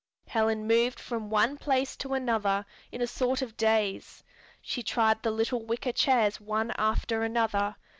Helen moved from one place to another in a sort of daze. She tried the little wicker chairs one after another.